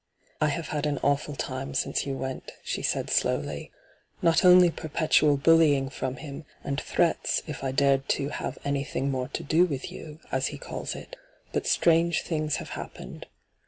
' I have had an awful time since you went,' she said slowly. 'Not only perpetual bullying from him, and threats if I dared to "have anything more to do with you," as he calls it, but strange things have happened.